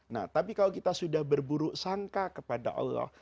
nah tapi kalau kita sudah berburuk sangka kepada allah